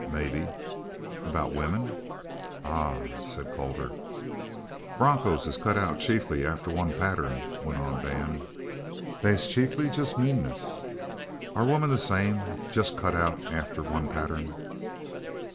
"Maybe." "About women?" "Ah!" said Calder. "Bronchos is cut out chiefly after one pattern," went on Dan. "They's chiefly jest meanness. Are women the same jest cut after one pattern?"